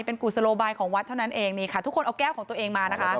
เป็นกรุสโลบายของวัดเท่านั้นเอง